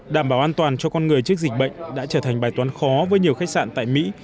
đảm bảo an toàn cho con người trước dịch bệnh đã trở thành bài toán khó với nhiều khách sạn tại mỹ